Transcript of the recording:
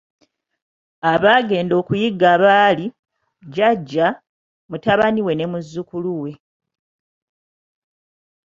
Abaagenda okuyigga baali, jjajja, mutabani we ne muzzukulu we.